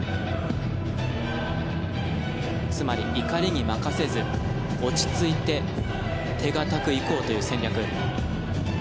つまり、怒りに任せず落ち着いて手堅くいこうという戦略。